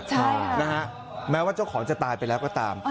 ใช่นะฮะแม้ว่าเจ้าของจะตายไปแล้วก็ตาม